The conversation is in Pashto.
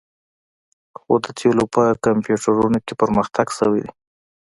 خو د تیلو په کمپیوټرونو کې پرمختګ شوی دی